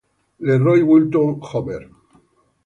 LeRoy Wilton Homer, Jr.